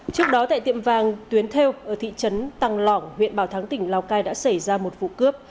trước đó tại tiệm vàng tuyến thêu ở thị trấn tăng lỏng huyện bảo thắng tỉnh lào cai đã xảy ra một vụ cướp